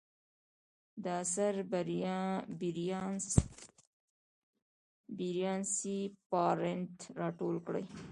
دا اثر بریان سي بارنټ راټول کړی.